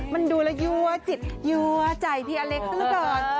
มันดูแล้วยั่วจิตยั่วใจพี่อเล็กซะละเกิน